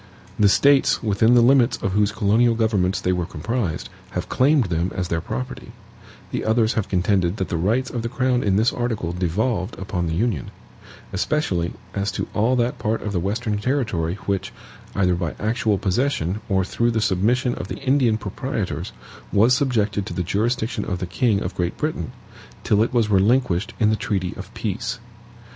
The States within the limits of whose colonial governments they were comprised have claimed them as their property, the others have contended that the rights of the crown in this article devolved upon the Union; especially as to all that part of the Western territory which, either by actual possession, or through the submission of the Indian proprietors, was subjected to the jurisdiction of the king of Great Britain, till it was relinquished in the treaty of peace.